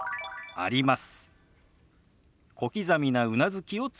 「あります」。